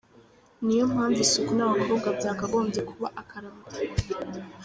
Niyo mpamvu isuku nabakobwa byakagombye kuba akaramata.